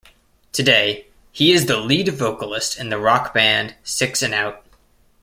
Today, he is the lead vocalist in the rock band Six and Out.